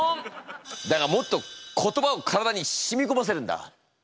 だがもっと言葉を体にしみこませるんだ！